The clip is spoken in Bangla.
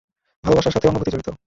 ভালোবাসার সাথে অনুভূতি জড়িত।